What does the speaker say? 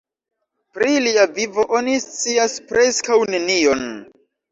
Pri lia vivo oni scias preskaŭ nenion.